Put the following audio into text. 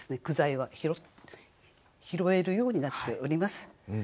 句材は拾えるようになっております。